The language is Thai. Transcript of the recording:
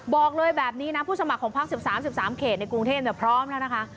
บอกเลยแบบนี้นะผู้สมัครของพัก๑๓๑๓เขตในกรุงเทพพร้อมแล้วนะคะ